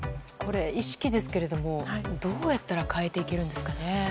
意識ですけども、どうやったら変えていけるんですかね。